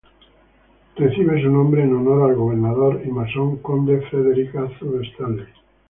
Recibe su nombre en honor al gobernador y masón Conde Frederick Arthur Stanley.